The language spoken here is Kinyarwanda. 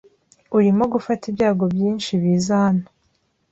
Urimo gufata ibyago byinshi biza hano.